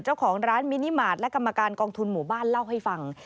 เจ้าของร้านมินิมาตรและกรรมการกองทุนหมู่บ้านเล่าให้ฟัง